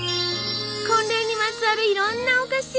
婚礼にまつわるいろんなお菓子！